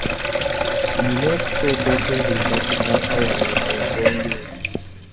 Nina okusooka okwebuuza ku taata wange ku nsonga eyo.